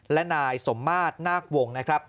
และนายสมมาตรนาควงนะครับ